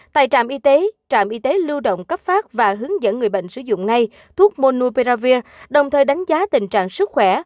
tại trạm y tế trạm y tế lưu động cấp phát và hướng dẫn người bệnh sử dụng ngay thuốc monuperavir đồng thời đánh giá tình trạng sức khỏe